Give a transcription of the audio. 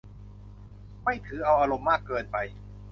ไม่ถือเอาอารมณ์มากเกินไป